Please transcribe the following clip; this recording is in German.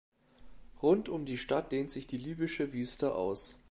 Rund um die Stadt dehnt sich die libysche Wüste aus.